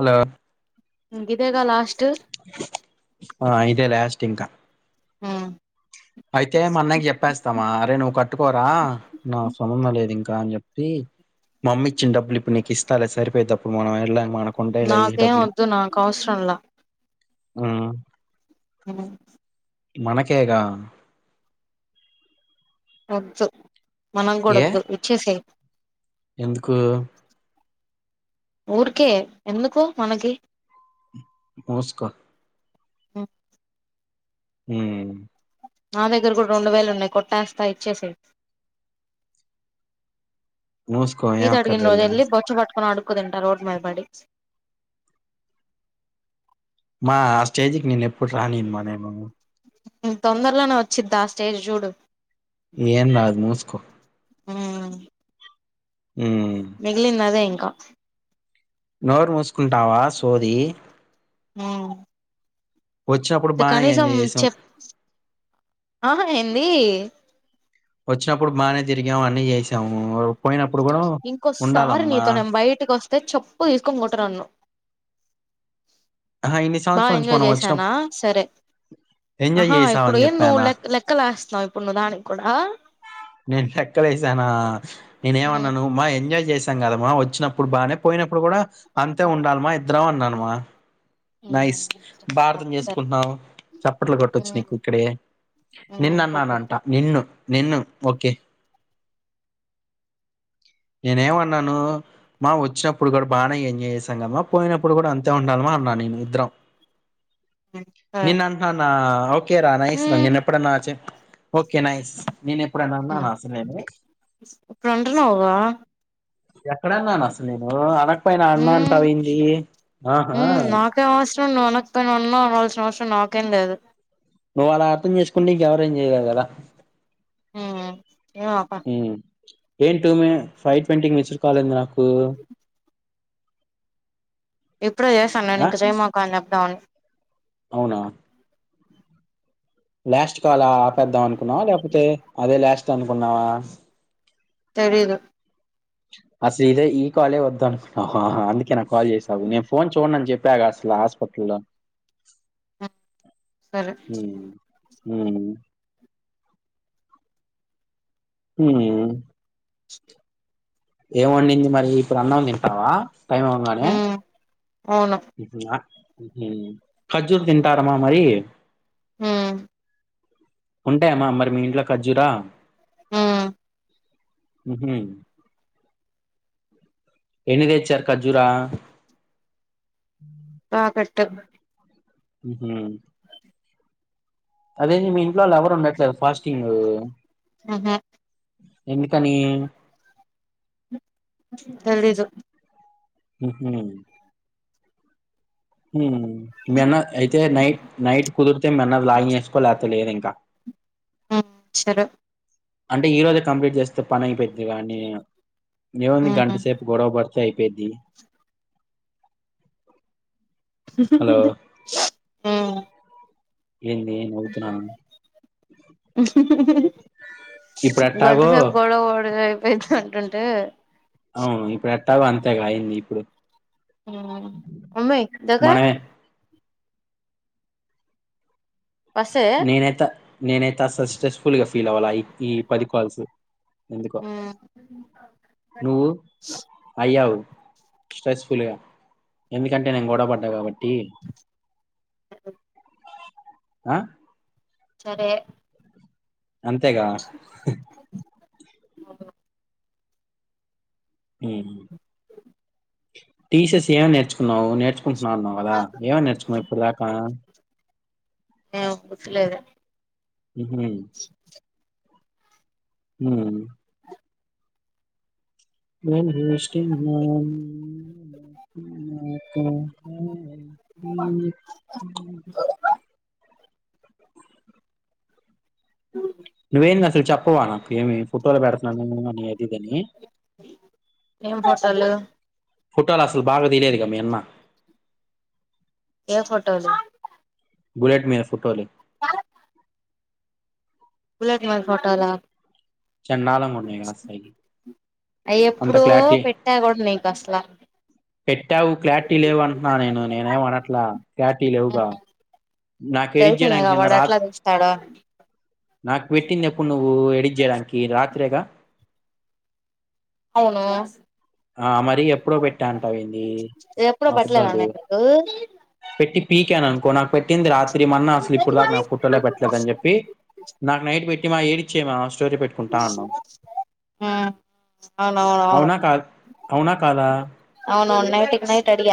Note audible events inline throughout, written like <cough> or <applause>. Hello ఇదేగా last స్ట్ ఆ ఇదే లాస్ట్ ఇంకా ఆ అయితే మా అన్నయ్య చెప్పేస్తామా, అరే నువ్వు కట్టుకోరా నా సంబంధం లేదు ఇంకా అని చెప్పి మా అమ్మ ఇచ్చిన డబ్బులు ఇప్పుడు నీకు ఇస్తాలే సరిపోయే తప్పుడు మనం వెళ్ళ మన నాకేం వద్దు నాకు అవసరంలా ఆ హ మనకేగా ఒద్దు మనం కూడా ఏ వద్దు ఇచ్చేసేయి ఎందుకు ఊరికే ఎందుకు మనకి ముస్కో అ ఉ మా దగ్గర కూడా రెండు వేలు ఉన్నాయి కొట్టేస్తా ఇచ్చేసై మూసుకో ఏం ఇది అడిగిన్ అక్కర్లేదు రోజెల్లీ బొచ్చు బట్ ని అడుక్కు దింట రోడ్ మీద పడి మా ఆ స్టేజికి నిన్ను ఎప్పుడు రానియనమ్మ నేను తొందరలోనే వచ్చిద్దా ఆ స్టేజ్ చూడు ఏం రాద్ మూస్కో ఆ మిగిలిందదే ఇదే క నోరు మూసుకుంటావా సోది ఉ వచ్చినప్పుడు బానే కనీసం ఎంజాయ్ చేసాం చెప్ ఆహ ఏంది వచ్చినప్పుడు బాగానే తిరిగాము అన్నీ చేసాము పోయినప్ ఇంకోస్సారి నీతో నేన్ బయటికొస్త్ తె చెప్పు తీసుకొని కొట్టు నన్నూ ఆహా ఇన్ని బాగా సంవత్సరాల నుంచి ఎంజాయ్ మనం వచ్చిన చేసానా సరే, ఎంజాయ్ ఆహా ఇప్పుడు చేసామని ఏ నువ్వు చెప్పానా లెక్ లెక్కలు లేస్తున్నావా ఇప్పుడు నువ్వు దానికి కూడా నేన్ లెక్కలేసానా నేనే మన్నాను మా ఎంజాయ్ జేస్ తం కాదమ్మా వచ్చినప్పుడు బాగానే పోయినప్పుడు కూడా అంతే ఉండాలమ ఎ ద్రవన్ననుమా నైస్ బా అర్థం సరే చేసుకుంటున్నావు చప్పట్లు కొట్టొచ్చు నీకిక్కడే కొట్టు నిన్నన్నానంట నిన్ను నిన్ను ఓకే నేనేమన్నాను మా వచ్చినప్పుడు కూడా బానే ఎంజాయ్ చేసాం కదమా పోయినప్పుడు కూడా అంతే ఉండాల్ మా అన్నాను నేను ఇద్దరం సరే నిన్ అంటనాద ఓకే రా నైస్ రా నేను ఎప్పుడన్నా చెప్ ఓకే నైస్ నేను ఎప్పుడన్నాన అసల్ నేను ఇప్పుడు అంటున్నావుగా ఎక్కడన్నాను అసలూ నేను అనక్ పోయినా అన్న అంటవేంది ఆహా నువ్ అనకపోయిన అన్నా అనాల్సిన అవసరం నాకేం లేదు నువ్వు అలా అర్థం చేసుకుంటె ఇంక ఎవరేం ఇగేదెల అ ఏ ఆప ఏం టూ వె ఫైవ్ ట్వంటీకి మిస్డ్ కాలుంది నాకు కు ఇప్పుడు చేసన్నకు జేయమాక అ అప్పుడా ఉ అవున లాస్ట్ కాల ఆపేద్దాం అనుకున్న లేకపోతె అదే లాస్ట్ త అనుకున్నావ తెలీదు అసలు ఇదే ఈ కాలె వద్దనుకున అందుకే నా కాల్ చేసాను నేను ఫోన్ చూడన్ అని చెప్పి త్యాగసలా హాస్పిటల్ లో వ సరె వు హు చ్ ఏమ అండి మరి ఇప్పుడు అన్నం తింటవా టైం అవ్వగానే అవును ఖజూర్ తింటారమ్మ మరి హు ఉంటాయమ్మా మరి మీ ఇంట్లో ఖజ్జురా ఉమ్ ఉహు ఎన్ని దెచ్చారు కర్జూరా అ <unintelligible> ఉహు అదేని మీన్ ఇంట్లో వాళ్ళు ఎవరు ఉండట్లేదా ఫస్టింగ్ ఎమ్మి హరడజ ఉహు ఊ నువ్ ఎన్న అయితే నైట్ నైట్ కుదిరితే మన్న లాగిన్ చేసుకో లేకతె లేరె ఇ క్క ఆ సరే అంటే ఈరోజే కంప్లీట్ చేస్తే పని అయిపోయి దివాని దివాని గంట సేపు గొడవప సైపెద్ది ఉహుహు ఊ ఏంది నువ్ తినావా గంట సేపు గొడవపడేది అయ్యిపోంది అంటుంటే అవును ఇప్పుడు ఎట్టాగో అంతేగాయింది ఇప్పుడు. ఊ ఒమే దగా మనమే బస్సే నేనెత నేనైతే అసలు స్ట్రెస్సులేస్గా ఫీల్ అవ్వాల ఇ ఈ పది కాల్స్ ఎందుకో నువ్వు అయ్యావు స్ట్రెస్సుఫుల్గా ఎందుకంటే నేను గొడవ పడ్డా కాబట్టి డి ఆ సరే అంతేగా హ ఊ టీసస్ యా నేర్చున్నావు నేర్చ కుంటున్నా అన్నావు కదా ఏమై నేర్చుకున్నావు ఇప్పుడుదాకా. ఏమో గుర్తులేదు ఉహు హు ఊహు <unintelligible> నువ్వు ఏంది అసలు చెప్పవా నాకేమి ఫోటోలు పెడతావా అటి గానీ ఏం ఫోటోలు ఫోటోలు అసలు బాగా తీయ్యలేదుగా మీ అన్న ఏం ఫోటోలు బులేట్ మీద ఫోటోలు ఆ బులెట్ మీద ఫోటోలా చండాలంగా ఉన్నాయి అసలు అయి అంత ఎప్పుడో క్లారిటీ పెట్టెకూడా నీకు అసలు ఎ పెట్టావు క్లారిటీ లేవు అంటున్నా నేను నేనేమి అనట్లా క్లారిటీ లేవుగా నాకు ఎడిట్ తెలిసిందేగా చేయడానికి వాడు ఎట్లా తీస్తాడో నాకుపెట్టింది ఎప్పుడు ఎప్పుడు నువ్వు ఎడిట్ చేయడానికి రాత్రి ప్రేగా అవును ఆ మరి ఎప్పుడో పెట్టా అంట అ పోయింది ఇది ఎప్పుడో పెట్టలేదా ఆబద్దలు నేను పెట్టి పీకాను అనుకో నాకు పెట్టింది రాత్రి మన్న అసలు నీకు ఇప్పుడు దాకా నా కుట్ట్రలే పెట్టలేదుని చెప్పి నాకు నైట్ పెట్టి మా ఏడిచే మా ఆ అలా వాలు అవున కదా అవును నైట్కి నైట్ అడి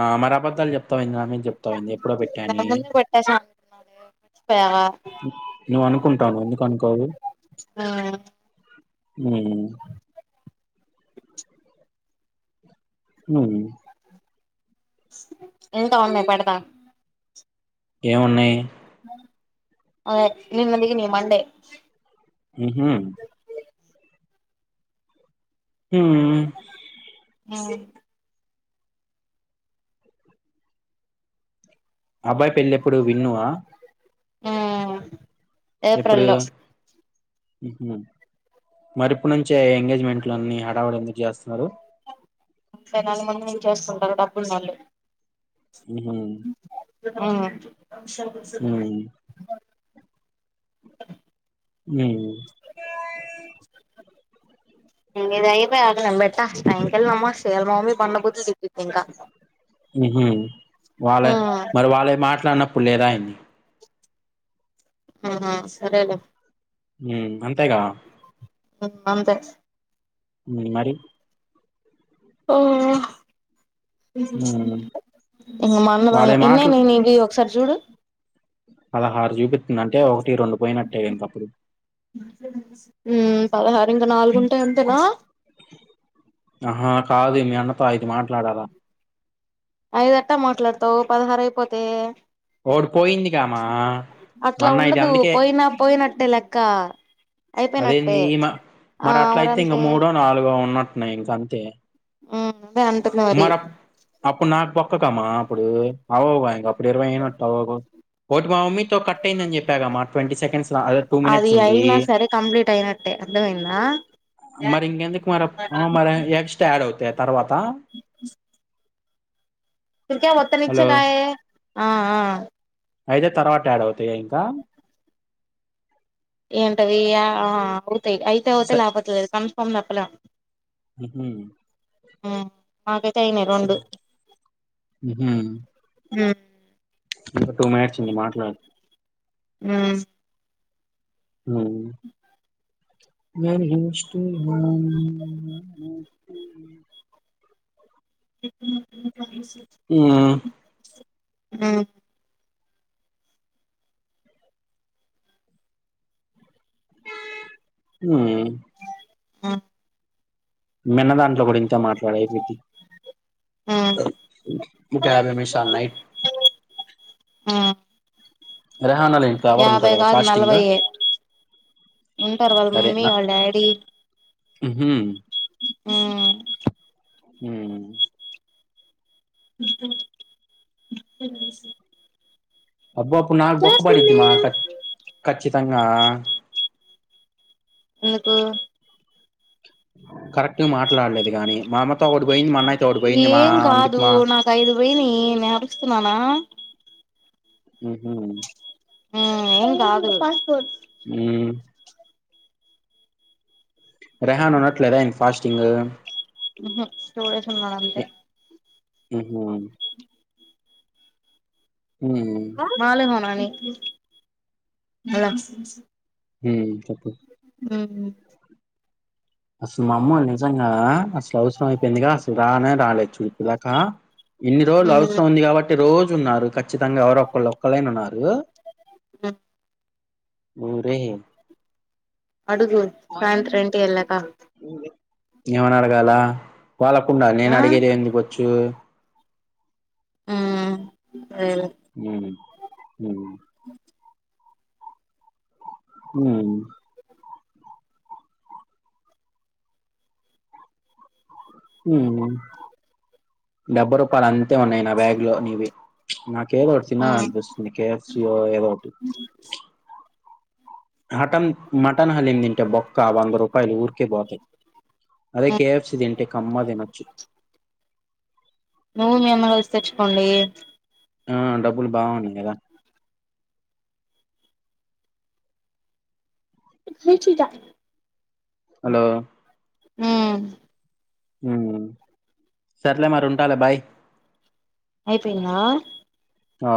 ఆ మరి అబద్ధాలు చెప్తా ఉంది నా మీ చెప్తాంది ఎప్పుడో పెట్టాని నేను ముందే పెట్టేసా అనుకున్నాలే మర్చిపోయావా నువ్ అనుకుంటాను ఎందుకు అనుకోవు ఆ హమ్ హ ఇంకా ఉన్నాయి పెడదా ఏమన్నాయి అదే నినుందికి న మండే హమ్ మ్మ హ హమ్ అబ్బాయి్ పెళ్ళెప్పుడుూ విన్నవా హమ్ ఏప్రిల్ ఎప్పుడు లో మరి ఇప్పుడు నుంచే ఎంగేజ్మెంట్లున్ని హడావు ఎందుకు చేస్తున్నారు నాల మ ఎం చేస్తా డబ్బులు నల్ హమ్ ఆ షాప సయి ఉ ఇదాయి నంబట సాయికల్ మామ్ ల్ మమ్మీ బన్న బుతులు తిట్టుది ఇంకా ఉహు. పులేదయింది ఆహా సరే లే మ్ అంతేగా అంతె మ్ మరి ఓ హ్మ్. ఇ మాన్నదాళ వాడే ఎన్న ననుది ఒకసారి చూడు అలా హార్జూపి ద అంటే ఒకటి రెండు పోయినట్టే కనుక అప్పుడు మ్మ్ పదహారు ఇంకా నాలుగుంటేయి అంతేనా ఆ కాదు మీ అన్నతో అయిదు మాట్లాడాలా ఐదేట్ట మాట్లాడతావు పదహారు అయిపోతే ఒకటి పోయింది కా మా అట్లా అన్నయ్యకి ఉండదు అందుకే పోయినా పోయినట్టే లెక్క అయిపోయినట్టే అదేంది ఆ మరి అట్ల అయితే ఇంక మరంతే మూడో నాలుగో ఉన్నట్ న ఇంకా అంతే ఆ మర అప్పుడ్ అప్పుడు నాకు బో మా అప్పుడు అవు అప్పుడు ఇరవై అయ్యేట్టు అవ్వవు ఒకటి మా మమ్మి కట్ అయిందని చెప్పాగా ట్వంటీ సెకండ్స్ లా టూ అది మినిట్స్ ఉండి, అయినా సరే కంప్లీట్ అయినట్టే అర్థమైందా మరి ఇంకెందుకు మరీ మ ఎక్స్ట్రా యాడ్ అవుతాయి తర్వాత <inaudible> ఇక మొత్తం హలో నిచినాయే ఆ ఆ అయితే తర్వాత యాడ్ అవుతాయా ఇంకా ఏంటవీ ఆ ఆ అయితే అవుతాయి లేకపోతే లేదు కన్ఫర్మ్ పలా మాకైతే అయినాయి రెండు మ్ మ్ ఇంకా టూ మినిట్స్ ఉంది మాట్లాడు మ్మ్ మ్మ్ when use to <unintelligible> <unintelligible> sorry sir హ్ సర్ ఆమ్ హ్మ్ ఆ మెన్నా దాంట్లో గుడిం త మాట్లాడేకి వెట్టి ఉమ్ ఇంకా యాభై నిమిషాలున్నయ్. ఆ ఎవరు యాభై ఉంటారు కదా కాదు ఫాస్టింగ్ నలభై ఉంటారు వాళ్ళ మమ్మీ వాళ్ళ డాడీ హు హ్మ్ ఆ హ్మ్ <unintelligible> అబ్బా అప్పుడు నాకు బొక్కు పడిద్దిమా ఖ ఖచ్చితంగా ఎందుకు కరెక్ట్ మా మాట్లాడలేదు గాని అమ్మతో ఒకటి పోయింది మా అన్నయ్యతో ఒకటి పోయింది మా ఏం అందుకు కాదు మా నాకు ఐదు పోయినయ్ నేపిస్తున్నానా, మ్మ్ హ్మ్ మ్మ్ ఏం కాదు హ్మ్ రెహానునట్లేదా ఏం ఫాస్టింగ్ మ్మ్ హ్మ్ స్టోరేజ్ ఉన్నాడంతే మ్మ్ హ్మ్ ఉమ్ బాలేవానాని <unintelligible> హ్మ్ చెప్ ఉమ్ అసలు మా అమ్మ నిజంగా అసలు అవసరం అయిపోయిందిగా, అసలు రానే రాలే చు ఇప్పుడిదాకా. ఇన్ని రోజులు మ్మ్ అవసరం ఉంది కాబట్టి రో ఉన్నారు ఖచ్చితంగా ఎవరు ఒకళ్ళు ఒక్కళ్ళైన ఉన్నారు ఊరే అడుగు సాయంత్రెంటి ఎల్లాకా ఏమని అడగాల వాళ్ళకుండా నేను ఆ అడిగేది ఏంది బొచ్చు ఉ ఉ ఉ ఉ ఉ డెబ్బయి రూపాయలు అంతే ఉన్నాయి నా బ్యాగ్ లో నీవి నా కేదో ఒకటి మ్మ్ తినాలనిపిస్తుంది కేఎఫసి ఏదో ఒకటి హటం మటన్ హల్లీని తింటే బొక్కా వంద రూపాయలు ఊరికే పోతాయి అదే మ్మ్ కేఎఫ్సి తింటే కమ్మగా తినచ్చు నువ్వు మీ అమ్మ కలిసి తెచ్చకోండి ఆ డబ్బులు బాగున్నాయి కదా ఏ హలో ఉ ఉ సర్లే మరి ఉంటాలే బాయ్ అయిపోయిందా ఆ